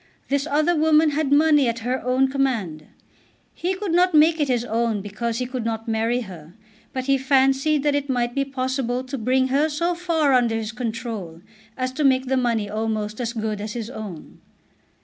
This other woman had money at her own command. He could not make it his own because he could not marry her, but he fancied that it might be possible to bring her so far under his control as to make the money almost as good as his own.